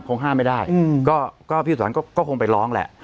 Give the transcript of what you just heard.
ก็คงห้ามไม่ได้ก็พี่ศรีสุธรรมก็คงไปร้องแหละ